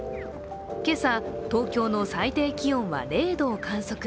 今朝、東京の最低気温は０度を観測。